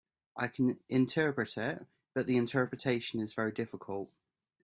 I can interpret it, but the interpretation is very difficult.